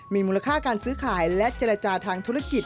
มีมูลค่าการซื้อขายและเจรจาทางธุรกิจ